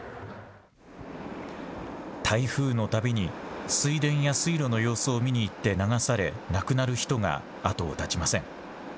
台風のたびに水田や水路の様子を見に行って流され亡くなる人が後を絶ちません。